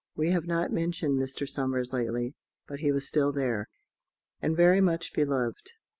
We have not mentioned Mr. Somers lately, but he was still there, and very much beloved.